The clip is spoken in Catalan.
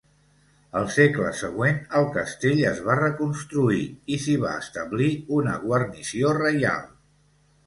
Al segle següent el castell es va reconstruir i s'hi va establir una guarnició reial.